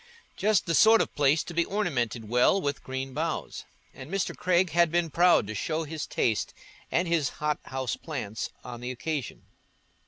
Just the sort of place to be ornamented well with green boughs, and Mr. Craig had been proud to show his taste and his hothouse plants on the occasion.